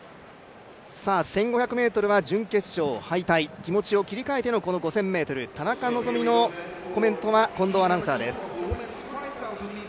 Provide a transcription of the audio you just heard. １５００ｍは準決勝敗退、気持ちを切り替えての、５０００ｍ田中希実のコメントは近藤アナウンサーです。